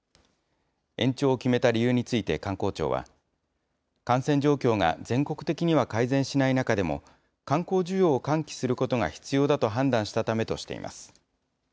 延長を決めた理由について観光庁は、感染状況が全国的には改善しない中でも、観光需要を喚起することが必要だと判断したためとしています。